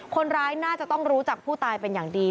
คนร้ายน่าจะต้องรู้จักผู้ตายเป็นอย่างดี